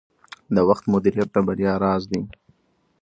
د وخت مدیریت د بریا راز دی.